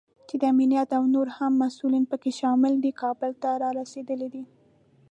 چې د امنیت او نور مهم مسوولین پکې شامل دي، کابل ته رارسېدلی دی